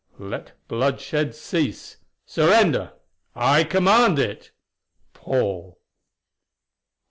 Let bloodshed cease. Surrender! I command it! Paul."